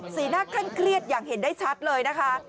หน้าเคร่งเครียดอย่างเห็นได้ชัดเลยนะคะ